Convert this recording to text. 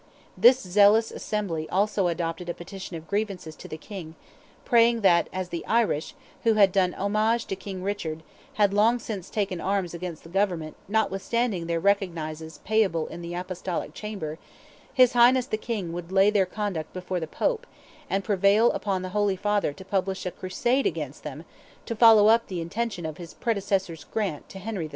This zealous assembly also adopted a petition of grievances to the King, praying that as the Irish, who had done homage to King Richard, "had long since taken arms against the government notwithstanding their recognizances payable in the Apostolic chamber, his Highness the King would lay their conduct before the Pope, and prevail on the Holy Father to publish a crusade against them, to follow up the intention of his predecessor's grant to Henry II.!"